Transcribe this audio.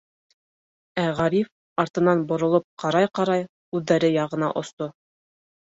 Ә Ғариф, артына боролоп ҡарай-ҡарай, үҙҙәре яғына осто.